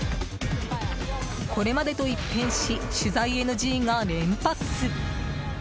これまでと一変し取材ＮＧが連発。